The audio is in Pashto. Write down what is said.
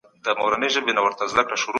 څنګه د یوازېتوب منفي احساس له منځه یوسو؟